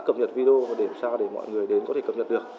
cập nhật video để mọi người đến có thể cập nhật được